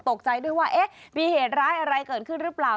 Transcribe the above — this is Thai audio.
ตกใจด้วยว่าเอ๊ะมีเหตุร้ายอะไรเกิดขึ้นหรือเปล่า